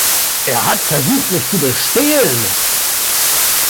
Er hat versucht mich zu bestehlen!